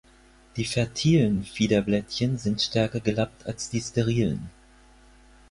Die fertilen Fiederblättchen sind stärker gelappt als die sterilen.